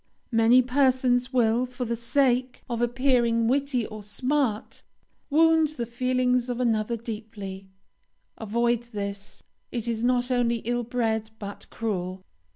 Many persons will, for the sake of appearing witty or smart, wound the feelings of another deeply; avoid this; it is not only ill bred, but cruel.